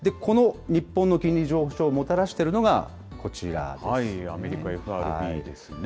この日本の金利上昇をもたらしているのが、こちらです。